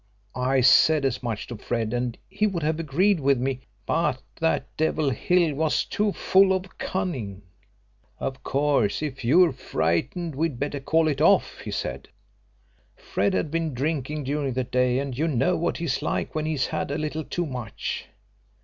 I said as much to Fred, and he would have agreed with me, but that devil Hill was too full of cunning. 'Of course, if you're frightened, we'd better call it off,' he said. Fred had been drinking during the day, and you know what he's like when he's had a little too much.